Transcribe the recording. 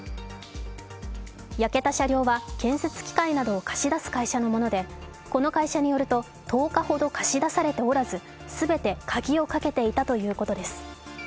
焼けた車両は、建設機械などを貸し出す会社のものでこの会社によると１０日ほど貸し出されておらず全て鍵をかけていたということです。